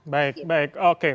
baik baik oke